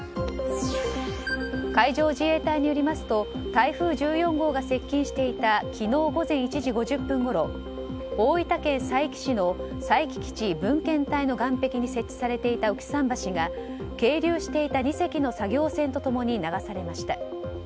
海上自衛隊によりますと台風１４号が接近していた昨日午前１時５０分ごろ大分県佐伯市の佐伯基地分遣隊の岸壁に設置されていた浮き桟橋が係留していた２隻の作業船と共に流されました。